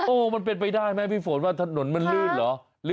โอ้โหมันเป็นไปได้ไหมพี่ฝนว่าถนนมันลื่นเหรอ